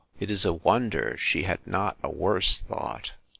It is a wonder she had not a worse thought!